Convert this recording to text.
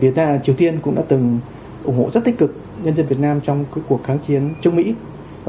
việt triều tiên cũng đã từng ủng hộ rất tích cực nhân dân việt nam trong cuộc kháng chiến chống mỹ